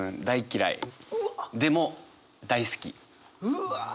うわ！